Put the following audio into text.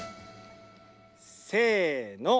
せの。